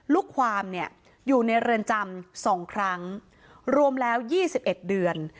ลูกความเนี่ยอยู่ในเรือนจำ๒ครั้งรวมแล้ว๒๑เดือน